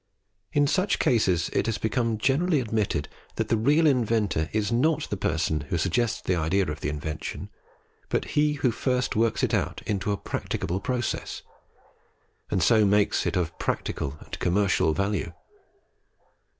In such cases it has become generally admitted that the real inventor is not the person who suggests the idea of the invention, but he who first works it out into a practicable process, and so makes it of practical and commercial value.